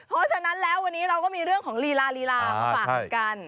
เพราะฉะนั้นแล้ววันนี้เราก็มีเรื่องของรีลาพบฝากัน